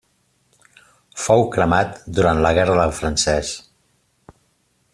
Fou cremat durant la guerra del francès.